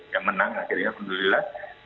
yang menang akhirnya alhamdulillah